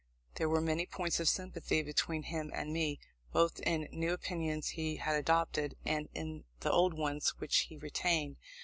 There were many points of sympathy between him and me, both in the new opinions he had adopted and in the old ones which he retained.